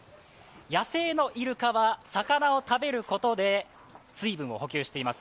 野生のイルカは魚を食べることで水分を補給しています。